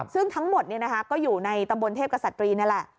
ซึ่งทั้งหมดก็อยู่ในตำบลเทพกษัตรีนี่แหละ